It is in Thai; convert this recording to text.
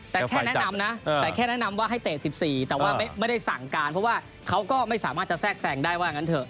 แต่แค่แนะนำนะแต่แค่แนะนำว่าให้เตะ๑๔แต่ว่าไม่ได้สั่งการเพราะว่าเขาก็ไม่สามารถจะแทรกแทรงได้ว่างั้นเถ